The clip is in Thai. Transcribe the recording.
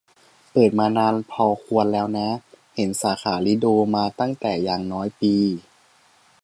เปิดมานานพอควรแล้วนะ เห็นสาขาลิโดมาตั้งแต่อย่างน้อยปี